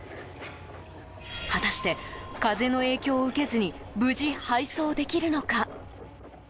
果たして、風の影響を受けずに無事配送できるのか。